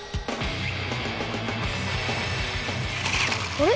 あれ？